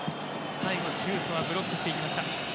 最後シュートはブロックしていきました。